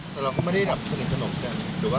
แต่เราก็ไม่ได้สนิทสนุกกันหรือว่า